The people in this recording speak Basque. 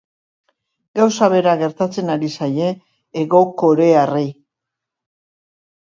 Gauza bera gertatzen ari zaie hegokorearrei.